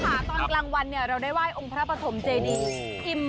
คุณคุณภาพค่ะตอนกลางวันเราได้ไหว้องค์พระปฐมเจดี